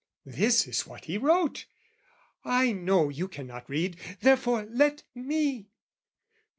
This is what he wrote. "I know you cannot read, therefore, let me!